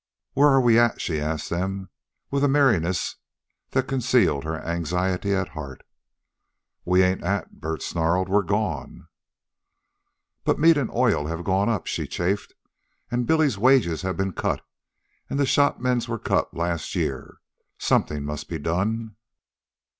"Where are we at?" she asked them, with a merriness that concealed her anxiety at heart. "We ain't at," Bert snarled. "We're gone." "But meat and oil have gone up again," she chafed. "And Billy's wages have been cut, and the shop men's were cut last year. Something must be done."